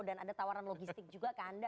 dan ada tawaran logistik juga ke anda